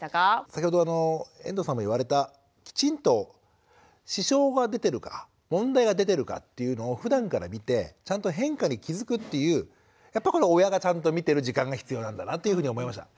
先ほど遠藤さんも言われたきちんと支障が出てるか問題が出てるかっていうのをふだんから見てちゃんと変化に気付くっていうやっぱ親がちゃんと見てる時間が必要なんだなというふうに思いました。